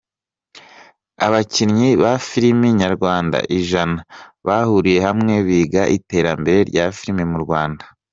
Abakinnyi ba filime nyarwanda ijana bahuriye hamwe biga iterambere rya filime mu Rwanda